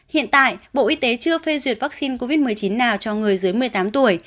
hiện tại bộ y tế chưa phê duyệt vaccine covid một mươi chín nào cho người dưới một mươi tám tuổi